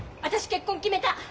結婚決めた！